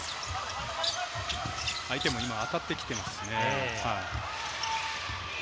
相手も今、当たってきていますね。